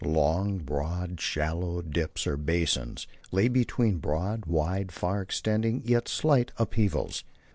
Long, broad, shallow dips or basins lay between broad, wide, far extending, yet slight, upheavals.